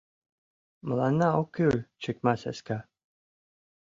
Мыланна ок кӱл чыкма саска